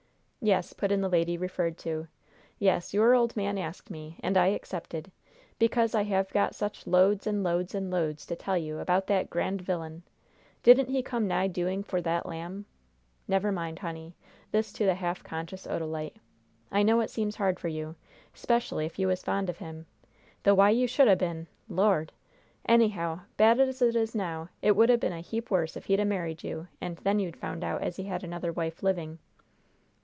"Yes," put in the lady referred to. "Yes, your old man asked me, and I accepted, because I have got such loads and loads and loads to tell you about that grand vilyun. Didn't he come nigh doing for that lamb? Never mind, honey" this to the half conscious Odalite "I know it seems hard for you, 'specially if you was fond of him though why you should 'a' been Lord! Anyhow, bad as it is now, it would 'a' been a heap worse if he'd 'a' married you and then you'd found out as he had another wife a living."